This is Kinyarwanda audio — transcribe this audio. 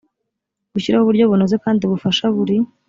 gushyiraho uburyo bunoze kandi bufasha buri